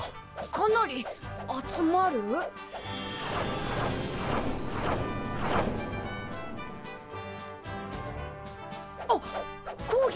かなり集まる？あっ講義！